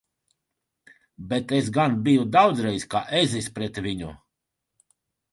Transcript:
Bet es gan biju daudzreiz kā ezis pret viņu!